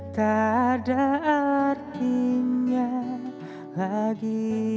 tak ada artinya lagi